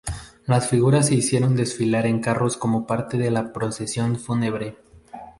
Las figuras se hicieron desfilar en carros como parte de la procesión fúnebre.